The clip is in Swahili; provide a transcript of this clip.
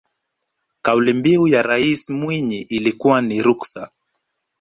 kauli mbiu ya rais mwinyi ilikuwa ni ruksa